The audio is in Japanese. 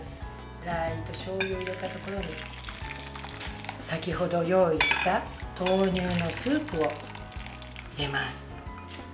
ラー油としょうゆを入れたところに先ほど用意した豆乳のスープを入れます。